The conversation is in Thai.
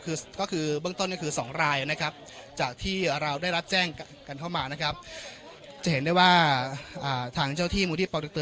คือก็คือเบื้องต้นก็คือ๒รายนะครับจากที่เราได้รับแจ้งกันเข้ามานะครับจะเห็นได้ว่าทางเจ้าที่มูลที่ปตึ